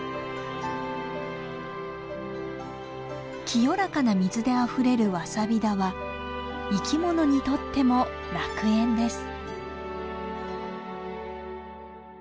清らかな水であふれるワサビ田は生き物にとっても楽園です。